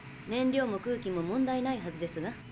燃料も空気も問題ないはずですが。